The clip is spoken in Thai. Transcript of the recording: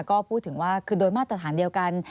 ก็พูดถึงว่าคือโดยมาตรฐานเดียวกัน